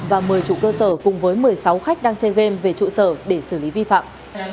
và mời chủ cơ sở cùng với một mươi sáu khách đang chơi game về trụ sở để xử lý vi phạm